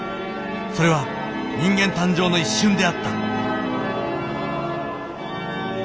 それは人間誕生の一瞬であった！